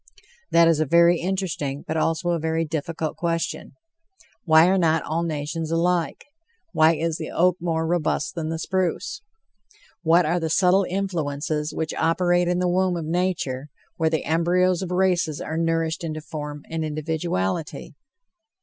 That is a very interesting, but also a very difficult question. Why are not all nations alike? Why is the oak more robust than the spruce? What are the subtle influences which operate in the womb of nature, where "the embryos of races are nourished into form and individuality?"